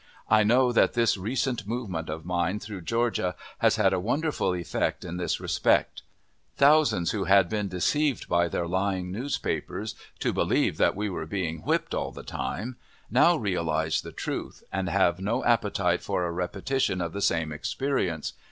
I know that this recent movement of mine through Georgia has had a wonderful effect in this respect. Thousands who had been deceived by their lying newspapers to believe that we were being whipped all the time now realize the truth, and have no appetite for a repetition of the same experience.